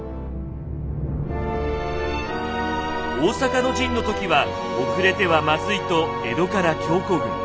大坂の陣の時は遅れてはまずいと江戸から強行軍。